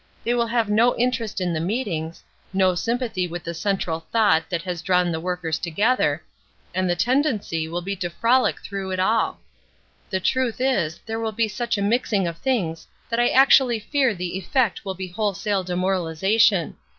They will have no interest in the meetings, no sympathy with the central thought that has drawn the workers together, and the tendency will be to frolic through it all. "The truth is, there will be such a mixing of things that I actually fear the effect will be wholesale demoralization.